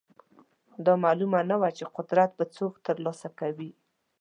دا معلومه نه وه چې قدرت به څوک ترلاسه کوي.